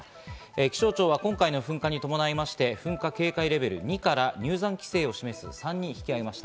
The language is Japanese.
気象庁は今回の噴火に伴いまして、噴火警戒レベル２から入山規制を示す３に引き上げました。